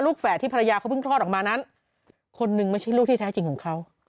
แฝดที่ภรรยาเขาเพิ่งคลอดออกมานั้นคนหนึ่งไม่ใช่ลูกที่แท้จริงของเขา